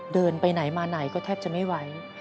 เดินไปไหนมาไหนก็แทบจะไม่ไหว